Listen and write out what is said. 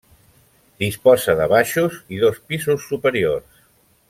Disposa de baixos i dos pisos superiors.